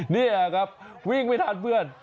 เนี่ยครับวิ่งหัวทานเพื่อน